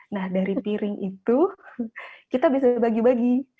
nah dari piring itu kita bisa bagi bagi